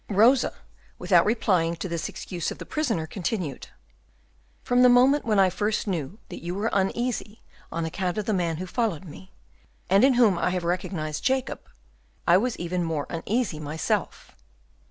Rosa, without replying to this excuse of the prisoner, continued, "From the moment when I first knew that you were uneasy on account of the man who followed me, and in whom I had recognized Jacob, I was even more uneasy myself.